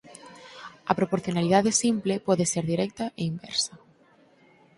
A proporcionalidade simple pode ser directa e inversa.